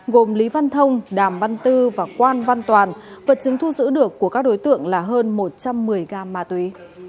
gồm lý văn thông đàm văn tư và quan văn toàn vật chứng thu giữ được của các đối tượng là hơn một trăm một mươi gram ma túy